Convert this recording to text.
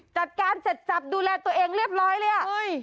จัดการเสร็จจับดูแลตัวเองเรียบร้อยเลยอ่ะ